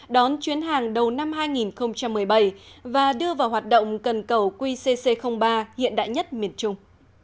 đón chuyến hàng đầu năm hai nghìn một mươi bảy và đưa vào hoạt động cần cầu qc ba hiện đại nhất miền trung